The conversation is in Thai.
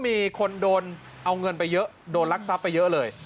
มีคนโดนเอาเงินไปเยอะโดนรักทรัพย์ไปเยอะเลย